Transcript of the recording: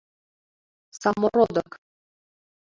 Самородок.